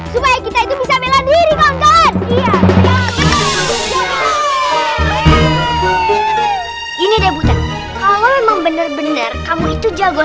supaya kita itu bisa bela diri kawan kawan ini debutan kalau emang benar benar kamu itu jago